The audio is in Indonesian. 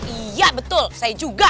iya betul saya juga